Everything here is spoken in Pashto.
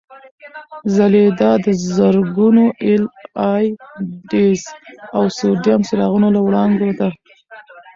ځلېدا د زرګونو اېل ای ډیز او سوډیم څراغونو له وړانګو ده.